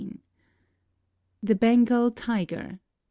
] THE BENGAL TIGER.